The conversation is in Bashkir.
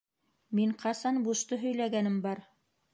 Мин ҡасан бушты һөйләгәнем бар?